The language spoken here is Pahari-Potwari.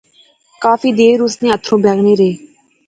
کافی دیر اس نے اتھرو بغنے رہے